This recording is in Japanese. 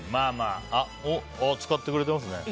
おっ、使ってくれてますね。